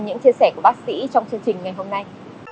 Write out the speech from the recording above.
những chia sẻ của bác sĩ trong chương trình ngày hôm nay